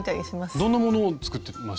どんなものを作ってました？